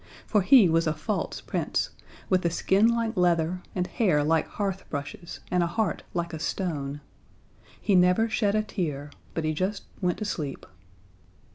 For he was a false Prince, with a skin like leather and hair like hearth brushes and a heart like a stone. He never shed a tear, but he just went to sleep.